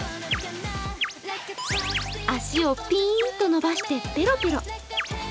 足をぴーんと伸ばしてペロペロ。